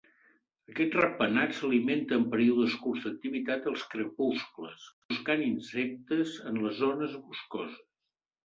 Aquest ratpenat s'alimenta en períodes curts d'activitat als crepuscles, buscant insectes en les zones boscoses.